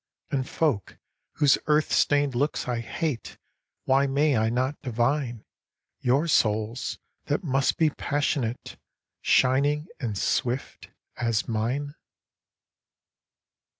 And folk, whose earth stained looks I hate, Why may I not divineYour souls, that must be passionate, Shining and swift, as mine?